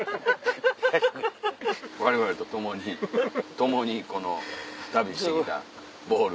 われわれと共に共にこの旅してきたボール。